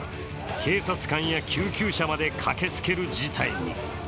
警察官や救急車まで駆けつける事態に。